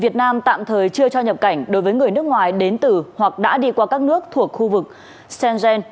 tạm thời chưa cho nhập cảnh đối với người nước ngoài đến từ hoặc đã đi qua các nước thuộc khu vực st gent